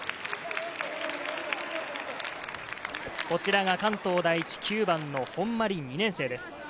こちらが関東第一、９番の本間凛、２年生です。